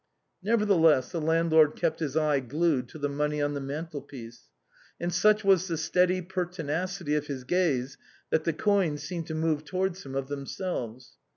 Nevertheless, the landlord kept his eye glued to the mon ey on the mantel piece ; and such was the steady pertinacity of his gaze that the coins seemed to move towards him of themselves.